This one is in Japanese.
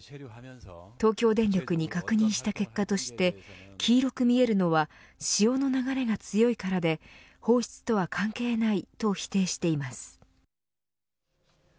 東京電力に確認した結果として黄色く見えるのは潮の流れが強いからで放出とは関係ないと否定しています。